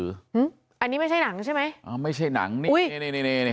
อันนี้ไม่ใช่หนังใช่ไหมอ่าไม่ใช่หนังนี่นี่นี่